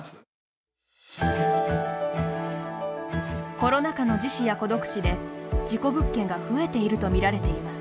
コロナ禍の自死や孤独死で事故物件が増えていると見られています。